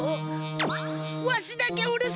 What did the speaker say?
わしだけおるす